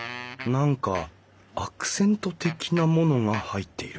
何かアクセント的なものが入っている。